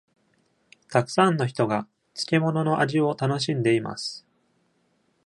たくさんの人が漬物の味を楽しんでいます。